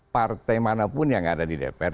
partai manapun yang ada di dpr